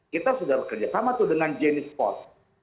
kita sudah bekerja sama tuh dengan jenis pos